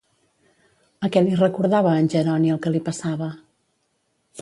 A què li recordava a en Jeroni el que li passava?